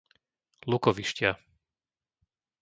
Lukovištia